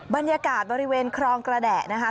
บรรยากาศบริเวณครองกระแดะนะคะ